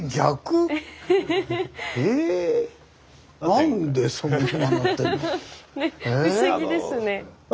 不思議ですね。